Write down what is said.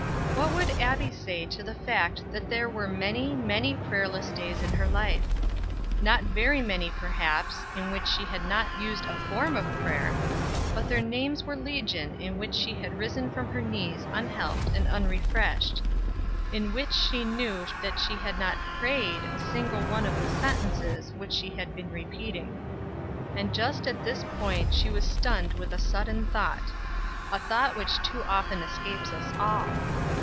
What would Abbie say to the fact that there were many, many prayerless days in her life? Not very many, perhaps, in which she had not used a form of prayer; but their names were legion in which she had risen from her knees unhelped and unrefreshed; in which she knew that she had not prayed a single one of the sentences which she had been repeating. And just at this point she was stunned with a sudden thought a thought which too often escapes us all.